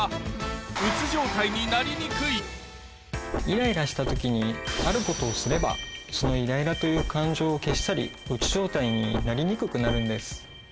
イライラした時にあることをすればそのイライラという感情を消し去りうつ状態になりにくくなるんです。